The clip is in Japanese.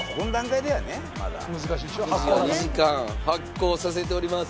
生地を２時間発酵させております。